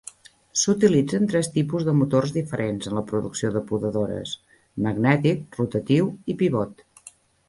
S'utilitzen tres tipus de motors diferents en la producció de podadores: magnètic, rotatiu i pivot.